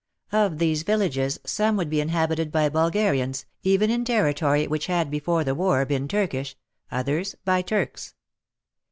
Of these villages some would be in habited by Bulgarians, even in territory which had before the war been Turkish, others by Turks.